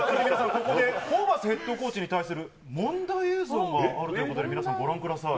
ここでホーバスヘッドコーチに対する問題映像があるということで、皆さんご覧ください。